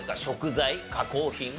食材？加工品？